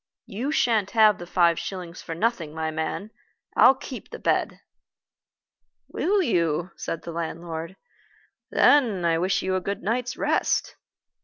You shan't have the five shillings for nothing, my man. I'll keep the bed." "Will you?" said the landlord. "Then I wish you a good night's rest."